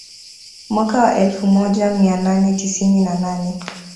Mwaka wa elfu moja mia nane tisini na nane